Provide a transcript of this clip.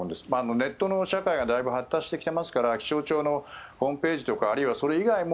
ネットの社会がだいぶ発達してきていますから気象庁のホームページとかあるいはそれ以外でも